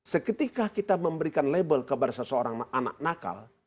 seketika kita memberikan label kepada seseorang anak nakal